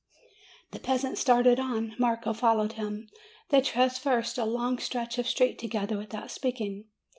The peasant started on; Marco followed him. They traversed a long stretch of street together with out speaking.